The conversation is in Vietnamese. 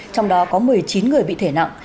trong đó có một mươi chín người bị thể nặng